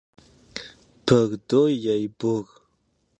Бор дой, яй бор.